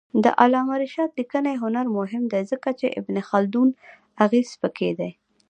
د علامه رشاد لیکنی هنر مهم دی ځکه چې ابن خلدون اغېز پکې دی.